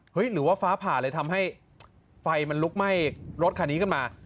หรือว่าฟ้าผ่าเลยทำให้ไฟมันลุกไหม้รถคันนี้ขึ้นมา